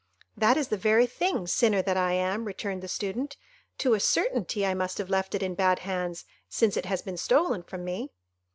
"That is the very thing, sinner that I am," returned the Student. "To a certainty I must have left it in bad hands, since it has been stolen from me."